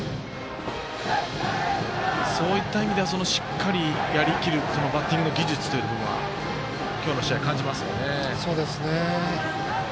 そういった意味ではしっかり、やりきるバッティングの技術も今日の試合も感じますよね。